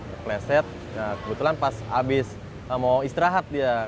kepleset kebetulan pas habis mau istirahat dia